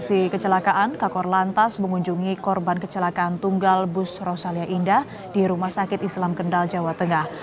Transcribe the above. dari kecelakaan kakor lantas mengunjungi korban kecelakaan tunggal bus rosalia indah di rumah sakit islam kendal jawa tengah